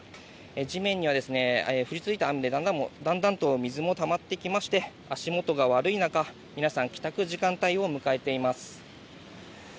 地面には雨が降り続いたのでだんだんと水がたまってきまして足元が悪い中、皆さん帰宅時間帯を迎えています。